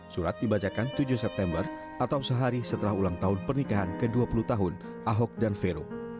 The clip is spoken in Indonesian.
surat dibacakan tujuh september atau sehari setelah ulang tahun pernikahan ke dua puluh tahun ahok dan vero